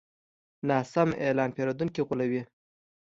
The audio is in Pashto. ناسم اعلان پیرودونکي غولوي.